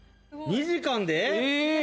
２時間で。